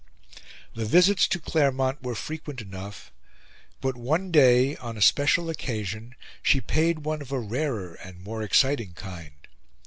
The visits to Claremont were frequent enough; but one day, on a special occasion, she paid one of a rarer and more exciting kind.